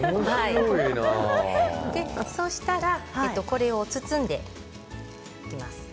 そうしたらこれを包んでいきます。